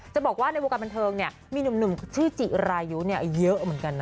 จะบอกว่าในวงการบันเทิงเนี่ยมีหนุ่มชื่อจิรายุเยอะเหมือนกันนะ